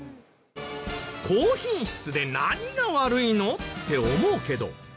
高品質で何が悪いの？って思うけど。